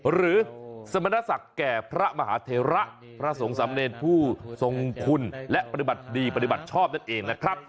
หรือสมณศักดิ์แก่พระมหาเทระพระสงฆ์สำเนรผู้ทรงคุณและปฏิบัติดีปฏิบัติชอบนั่นเองนะครับ